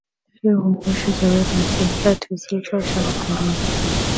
He who washed away my sin lets his little child come in.